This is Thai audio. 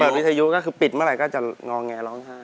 วิทยุก็คือปิดเมื่อไหร่ก็จะงอแงร้องไห้